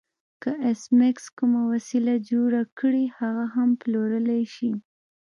که ایس میکس کومه وسیله جوړه کړي هغه هم پلورلی شي